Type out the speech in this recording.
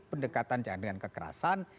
pendekatan jangan dengan kekerasan